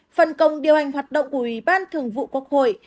phân công điều hành hoạt động của ủy ban thường vụ quốc hội